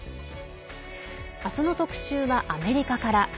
明日の特集はアメリカから。